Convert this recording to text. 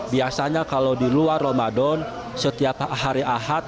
biasanya kalau di luar ramadan setiap hari ahad